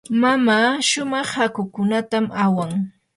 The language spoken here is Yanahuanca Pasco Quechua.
mamaa shumaq hakukunatam awan.